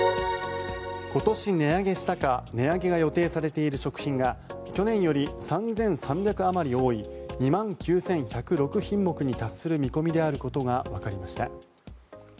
今年値上げしたか値上げが予定されている食品が去年より３３００あまり多い２万９１０６品目に達する見込みであることがわかりました。